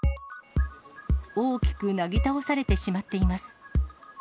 大きくなぎ倒されてしまっています。